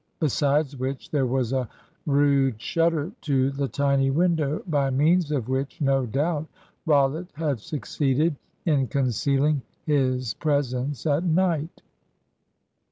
Besides which there was a rude shutter to the tiny window, by means of which no doubt Rollitt had succeeded in concealing his presence at night.